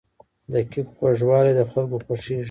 د کیک خوږوالی د خلکو خوښیږي.